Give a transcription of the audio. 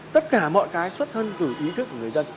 tất cả mọi cái xuất thân từ ý thức của người dân